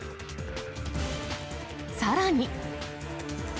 さらに。